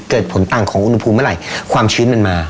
เกิดผลต่างของอุณหภูมิเมื่อไหร่ความชื้นมันมา